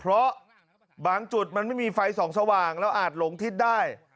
เพราะบางจุดมันไม่มีไฟส่องสว่างแล้วอาจหลงทิศได้